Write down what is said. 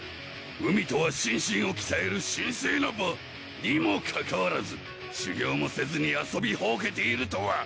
海とは心身をきたえる神聖な場！にもかかわらず修行もせずに遊びほうけているとは！